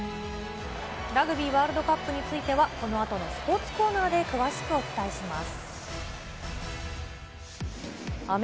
ラグビーワールドカップについては、このあとのスポーツコーナーで、詳しくお伝えします。